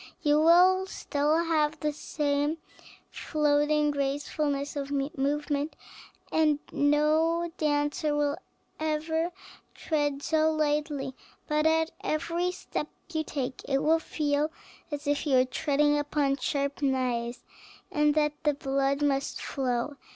You will still have the same floating gracefulness of movement, and no dancer will ever tread so lightly; but at every step you take it will feel as if you were treading upon sharp knives, and that the blood must flow.